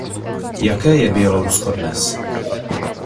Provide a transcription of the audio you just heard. Jaké je Bělorusko dnes?